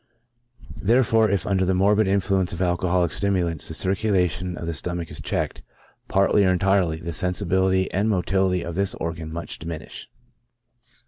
Therefore, if under the morbid influence of alco holic stimulants the circulation of the stomach is checked, partly or entirely, the sensibility and motility of this organ much diminish.